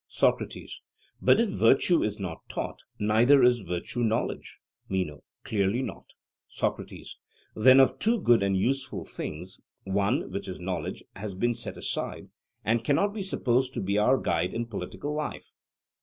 SOCRATES: But if virtue is not taught, neither is virtue knowledge. MENO: Clearly not. SOCRATES: Then of two good and useful things, one, which is knowledge, has been set aside, and cannot be supposed to be our guide in political life.